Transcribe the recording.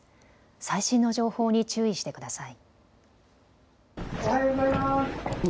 最新の情報に注意してください。